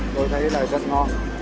tôi thấy là rất ngon